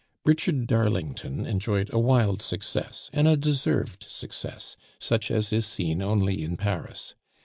Richard Darlington enjoyed a wild success and a deserved success such as is seen only in Paris.